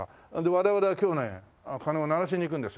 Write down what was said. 我々は今日ね鐘を鳴らしにいくんですよ。